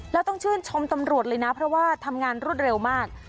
แล้วต้องชื่นชมตำรวจเลยนะเพราะว่าทำงานรวดเร็วมาก